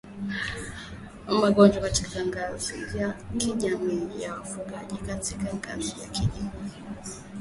magonjwa katika ngazi ya kijamii na wafugaji katika ngazi ya kijiji